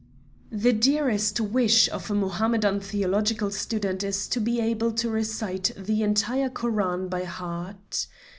The dearest wish of a Mohammedan theological student is to be able to recite the entire Koran by heart.